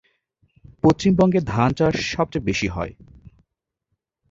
পশ্চিমবঙ্গে ধানচাষ সবচেয়ে বেশি হয়।